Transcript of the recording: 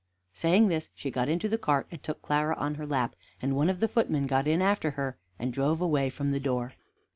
Saying this, she got into the cart, and took Clara on her lap, and one of the footmen got in after her, and drove away from the door.